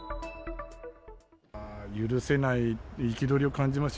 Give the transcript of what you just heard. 許せない、憤りを感じます。